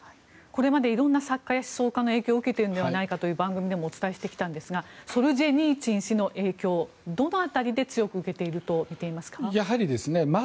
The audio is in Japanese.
これまでいろんな作家や思想家の影響を受けているんじゃないかというのを番組でもお伝えしてきたんですがソルジェニーツィン氏の影響はどの辺りで強く受けていますか？